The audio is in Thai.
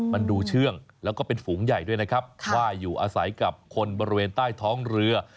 มันดูเชื่องแล้วก็เป็นฝูงใหญ่ด้วยนะครับว่าอยู่อาศัยกับคนบริเวณใต้ท้องเรือ